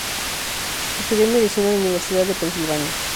Estudió medicina en la Universidad de Pensilvania.